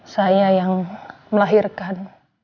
saya yang melahirkan